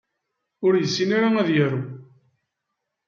Ur yessin ara ad yaru.